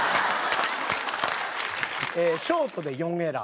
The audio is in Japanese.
ショートで４エラー。